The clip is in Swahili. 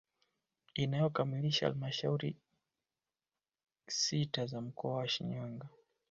Inayokamilisha jumla ya halmashauri sita za mkoa wa Shinyanga